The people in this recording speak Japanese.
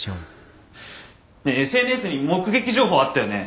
ＳＮＳに目撃情報あったよね。